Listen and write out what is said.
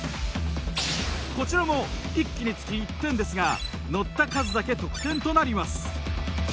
こちらも１機につき１点ですが乗った数だけ得点となります。